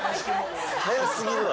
早すぎるわ。